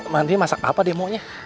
mandi masak apa dia maunya